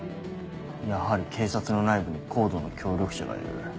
やはり警察の内部にＣＯＤＥの協力者がいる。